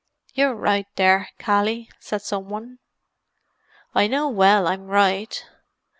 "You're right there, Cally," said some one. "I know well I'm right.